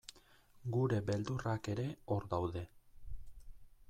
Gure beldurrak ere hor daude.